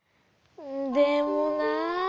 でもなあ。